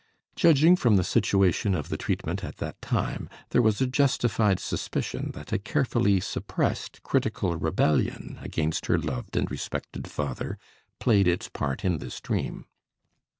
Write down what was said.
Judging from the situation of the treatment at that time, there was a justified suspicion that a carefully suppressed critical rebellion against her loved and respected father played its part in this dream.